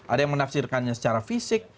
ada yang menafsirkannya secara fisik